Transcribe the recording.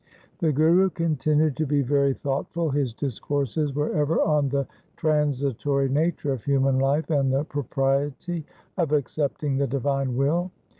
The Guru continued to be very thoughtful. His discourses were ever on the transitory nature of human life and the propriety of accepting the divine will.